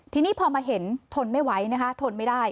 ทีนี้พอเห็นทนไม่ไหวทนไม่ได้